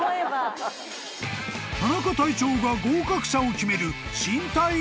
［田中隊長が合格者を決める］